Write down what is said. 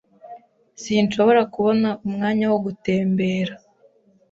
Sinshobora kubona umwanya wo gutembera.